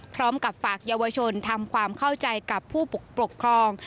พร้อมกับฝากเยาวชนทำความเข้าใจกับผู้ปกครอง